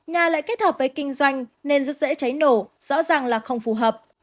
nga lại kết hợp với kinh doanh nên rất dễ cháy nổ rõ ràng là không phù hợp